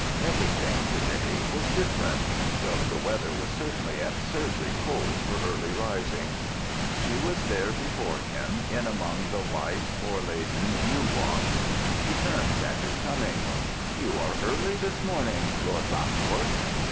Everything, to day, was different, though the weather was certainly absurdly cold for early rising. She was there before him, in among the white, hoar laden, yew walks. She turned at his coming. "You are early this morning, Lord Bancourt."